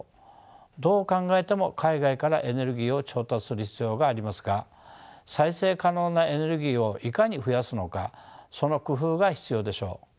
どう考えても海外からエネルギーを調達する必要がありますが再生可能なエネルギーをいかに増やすのかその工夫が必要でしょう。